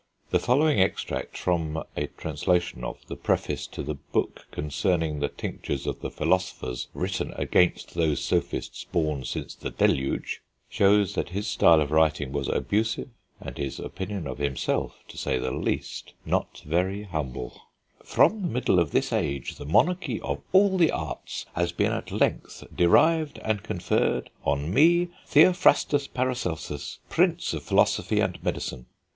The following extract from (a translation of) the preface to The Book concerning the Tinctures of the Philosophers written against those Sophists born since the Deluge, shews that his style of writing was abusive, and his opinion of himself, to say the least, not very humble: "From the middle of this age the Monarchy of all the Arts has been at length derived and conferred on me, Theophrastus Paracelsus, Prince of Philosophy and Medicine.